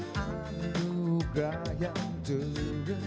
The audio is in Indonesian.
keandungan yang terendah